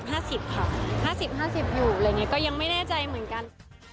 ๕๐๕๐อยู่อะไรอย่างนี้ก็ยังไม่แน่ใจเหมือนกัน